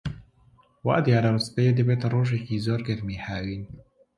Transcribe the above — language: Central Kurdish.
وا دیارە سبەی دەبێتە ڕۆژێکی زۆر گەرمی هاوین.